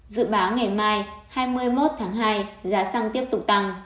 dự báo ngày mai hai mươi một tháng hai giá xăng tiếp tục tăng